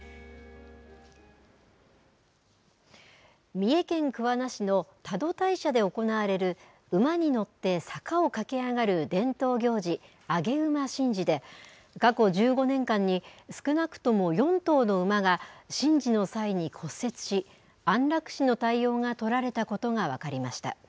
三重県桑名市の多度大社で行われる馬に乗って坂を駆け上がる伝統行事、上げ馬神事で、過去１５年間に少なくとも４頭の馬が、神事の際に骨折し、安楽死の対応が取られたことが分かりました。